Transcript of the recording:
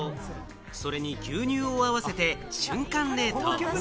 それに牛乳を合わせて、瞬間冷凍。